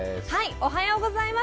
おはようございます。